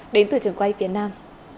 đến từ trường quay việt nam